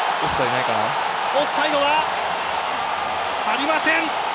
オフサイドはありません！